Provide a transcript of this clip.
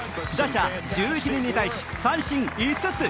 打者１１人に対し、三振５つ。